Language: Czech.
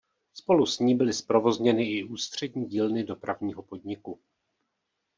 Spolu s ní byly zprovozněny i Ústřední dílny Dopravního podniku.